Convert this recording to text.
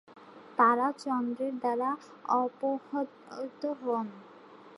তারা চন্দ্রের দ্বারা অপহৃত হন।